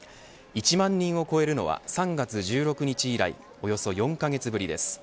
１万人を超えるのは３月１６日以来およそ４カ月ぶりです。